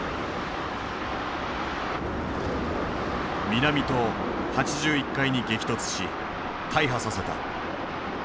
南棟８１階に激突し大破させた。